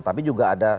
tapi juga ada